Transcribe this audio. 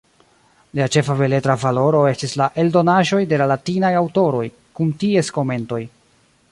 Lia ĉefa beletra valoro estis la eldonaĵoj de la latinaj aŭtoroj kun ties komentoj.